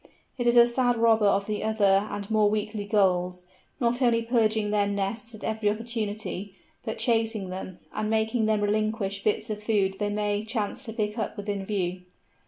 It is a sad robber of the other and more weakly Gulls, not only pillaging their nests at every opportunity, but chasing them, and making them relinquish bits of food they may chance to pick up within view.